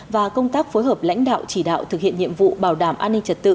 và công tác phối hợp lãnh đạo chỉ đạo thực hiện nhiệm vụ bảo đảm an ninh trật tự